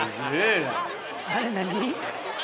あれ何？